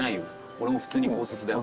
俺も普通に高卒だよ。